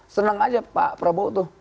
senang aja pak prabowo tuh